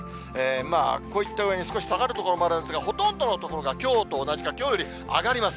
こういったうえに、少し下がる所もあるんですが、ほとんどの所がきょうと同じか、きょうより上がります。